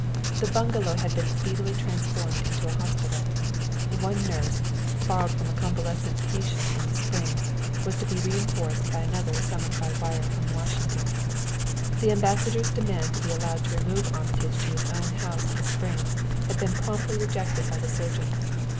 The bungalow had been speedily transformed into a hospital. One nurse, borrowed from a convalescent patient at the Springs, was to be reinforced by another summoned by wire from Washington. The Ambassador's demand to be allowed to remove Armitage to his own house at the Springs had been promptly rejected by the surgeon.